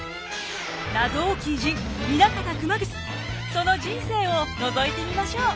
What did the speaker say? その人生をのぞいてみましょう。